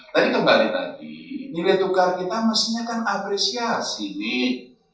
tapi kembali lagi nilai tukar kita mestinya kan apresiasi nih